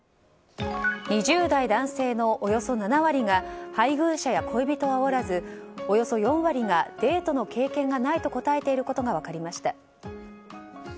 ２０代男性のおよそ７割が配偶者や恋人はおらずおよそ４割がデートの経験がないと答えていることが分かりました。